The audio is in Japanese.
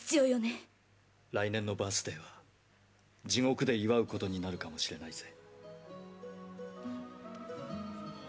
冴羽：来年のバースデーは地獄で祝うことになるかもしれないぜ。